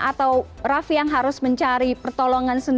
atau raffi yang harus mencari pertolongan